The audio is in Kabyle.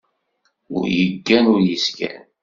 Ur yeggan ur yesgan.